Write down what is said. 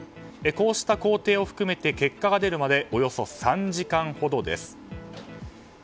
こうした工程を含めて結果が出るまでおよそ３時間ほどです。